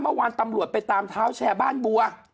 เมื่อวานตำรวจไปตามเท้าแชร์บ้านบัว